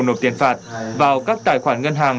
nộp tiền phạt vào các tài khoản ngân hàng